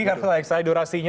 karena saya eksplorasi ini